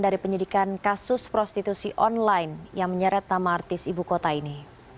dari penyidikan kasus prostitusi online yang menyeret nama artis ibu kota ini